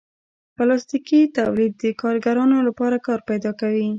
پلاستيکي تولید د کارګرانو لپاره کار پیدا کوي.